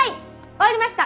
終わりました！